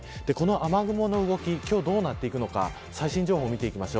雨雲の動きどうなっていくのか最新情報を見ていきます。